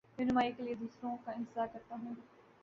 رہنمائ کے لیے دوسروں کا انتظار کرتا ہوں